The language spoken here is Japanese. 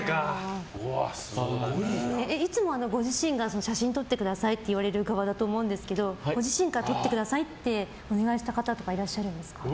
いつもご自身が写真撮ってくださいと言われる側だと思うんですけどご自身から撮ってくださいってお願いした方とかいらっしゃるんですか？